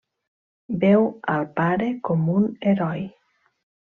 Veu al pare com un heroi.